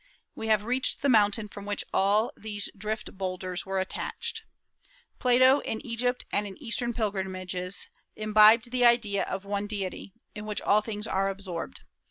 We have reached the mountain from which all these drift bowlders were detached.... Plato, in Egypt and in Eastern pilgrimages, imbibed the idea of one Deity, in which all things are absorbed.